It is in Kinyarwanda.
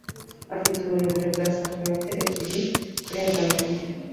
afite uburebure bwa santimetero ebyiri kurenza Mariya.